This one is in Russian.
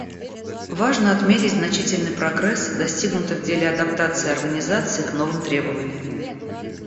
Важно отметить значительный прогресс, достигнутый в деле адаптации Организации к новым требованиям.